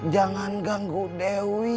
jangan ganggu dewi